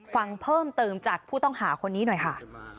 ฟังเพิ่มเติมจากผู้ต้องหาคนนี้หน่อยค่ะ